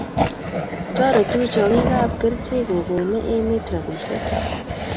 toretuu chokikab kertii kokoine emee rupishek